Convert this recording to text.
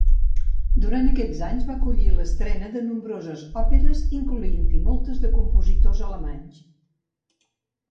Durant aquests anys, va acollir l'estrena de nombroses òperes, incloent-hi moltes de compositors alemanys.